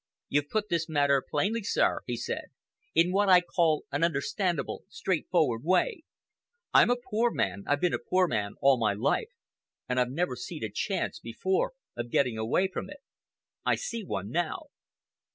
"You've put this matter plainly, sir," he said, "in what I call an understandable, straightforward way. I'm a poor man—I've been a poor man all my life—and I've never seed a chance before of getting away from it. I see one now."